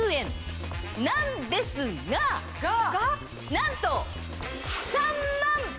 なんと。